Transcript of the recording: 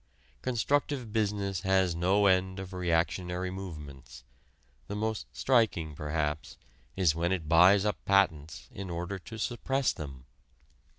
Constructive business has no end of reactionary moments the most striking, perhaps, is when it buys up patents in order to suppress them.